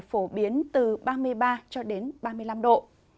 phổ biến từ ba mươi ba ba mươi năm độ